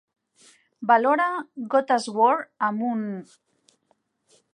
Valora "Gota's War" amb un